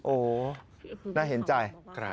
โอ้โหน่าเห็นใจ